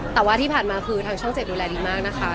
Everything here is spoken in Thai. แต่ว่าที่ผ่านมาคือทางช่อง๗ดูแลดีมากนะคะ